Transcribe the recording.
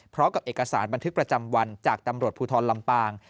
พร้อมกับเอกสารบันทึกประจำวันจากตำรวจภูทรลำปาง